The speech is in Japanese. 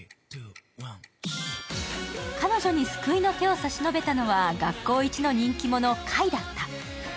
彼女に救いの手を差し伸べたのは学校一の人気者、界だった。